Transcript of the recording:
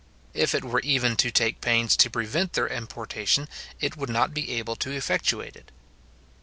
If it were even to take pains to prevent their importation, it would not be able to effectuate it.